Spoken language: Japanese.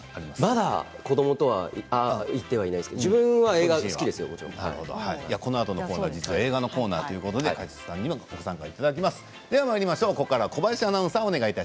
まだ子どもとは行ってはないですけれどもこのあとは映画のコーナーということで勝地さんにもご参加いただきます。